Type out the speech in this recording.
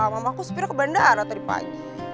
mamah aku sepirnya ke bandara tadi pagi